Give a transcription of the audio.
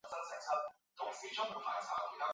栗六枪虫为三轴球虫科六枪虫属的动物。